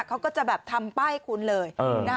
เขาก็จะแบบทำป้ายคุณเลย